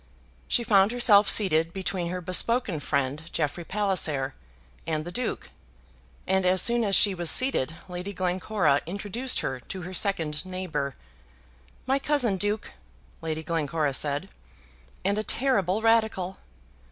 She found herself seated between her bespoken friend Jeffrey Palliser and the Duke, and as soon as she was seated Lady Glencora introduced her to her second neighbour. "My cousin, Duke," Lady Glencora said, "and a terrible Radical."